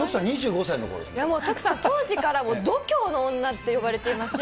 もう徳さん、当時から、もう度胸の女って呼ばれていまして。